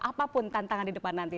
apapun tantangan di depan nanti